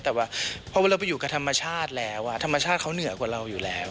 แต่ว่าพอเวลาเราไปอยู่กับธรรมชาติแล้วธรรมชาติเขาเหนือกว่าเราอยู่แล้ว